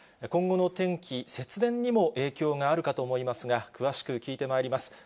今後の天気、節電にも影響があるかと思いますが、詳しく聞いてまいります。